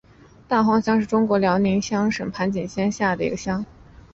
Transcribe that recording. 大荒乡是中国辽宁省盘锦市盘山县下辖的一个乡。